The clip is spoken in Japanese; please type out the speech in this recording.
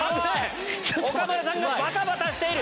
岡村さんがバタバタしている！